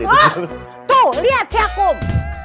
tuh liat si akum